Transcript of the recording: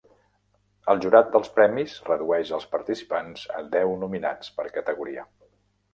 El jurat dels premis redueix els participants a deu nominats per categoria.